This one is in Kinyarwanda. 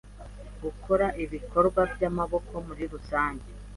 Gukora ibikorwa by’amaboko muri rusange